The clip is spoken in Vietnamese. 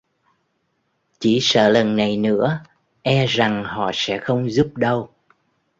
chỉ sợ lần này nữa e rằng họ sẽ không giúp đâu